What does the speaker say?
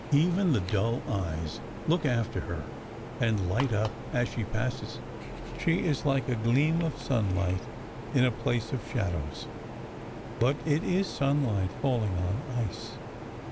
Even the dull eyes look after her and light up as she passes. She is like a gleam of sun light in a place of shadows. But it is sunlight falling on ice.